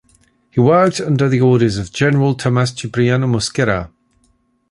He worked under the orders of General Tomás Cipriano Mosquera.